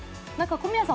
小宮さん